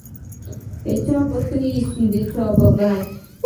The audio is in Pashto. د چا ښه ایسې او د چا بد.